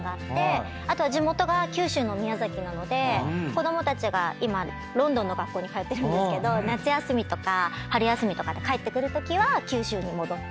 子供たちが今ロンドンの学校に通ってるんですけど夏休みとか春休みとかで帰ってくるときは九州に戻って。